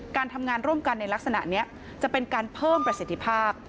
การทำงานร่วมกันในลักษณะนี้จะเป็นการเพิ่มประสิทธิภาพ